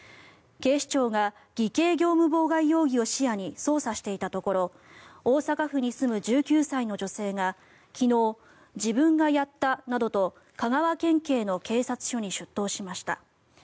警視庁が偽計業務妨害容疑を視野に捜査していたところ大阪府に住む１９歳の女性が昨日、自分がやったなどと香川県警の警察署に出頭しました。